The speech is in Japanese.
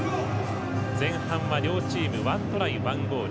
前半は両チーム１トライ１ゴール。